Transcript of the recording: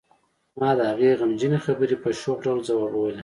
ما د هغې غمجنې خبرې په شوخ ډول ځوابولې